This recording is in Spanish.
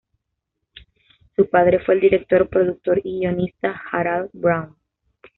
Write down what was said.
Su padre fue el director, productor y guionista Harald Braun.